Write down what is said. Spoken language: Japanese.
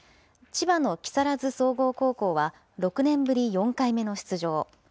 千葉の木更津総合高校は６年ぶり４回目の出場。